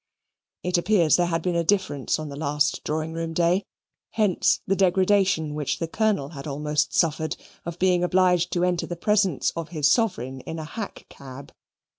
It appears there had been a difference on the last drawing room day. Hence the degradation which the Colonel had almost suffered, of being obliged to enter the presence of his Sovereign in a hack cab.